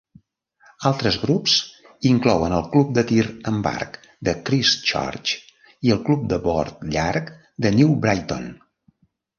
Altres grups inclouen el club de tir amb arc de Christchurch i el club de bord llarg de New Brighton.